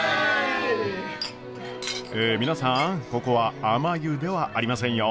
え皆さんここはあまゆではありませんよ。